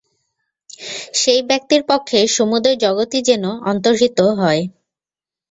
সেই ব্যক্তির পক্ষে সমুদয় জগৎই যেন অন্তর্হিত হয়।